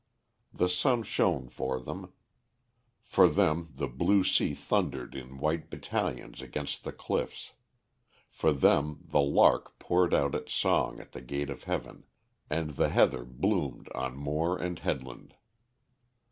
The sun shone for them, for them the blue sea thundered in white battalions against the cliffs; for them the lark poured out its song at the gate of heaven, and the heather bloomed on moor and headland.